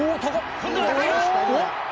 今度は高いか！？